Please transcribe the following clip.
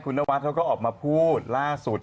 หลังจากคุณละวัทก็ออกมาพูดล่าสุด